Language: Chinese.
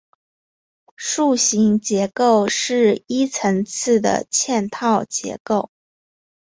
树形结构是一层次的嵌套结构。